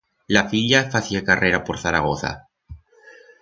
La filla facié carrera por Zaragoza.